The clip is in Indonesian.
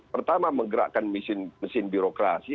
pertama menggerakkan mesin birokrasi